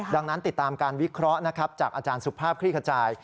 ดังนั้นติดตามการวิเคราะห์นะครับจากอาจารย์สุภาพคลี่ขจาย